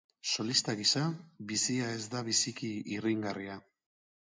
Solista gisa, bizia ez da biziki irringarria.